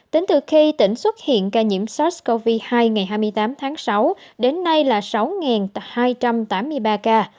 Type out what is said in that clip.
tính từ khi tỉnh xuất hiện ca nhiễm sars cov hai ngày hai mươi tám tháng sáu đến nay là sáu hai trăm tám mươi ba ca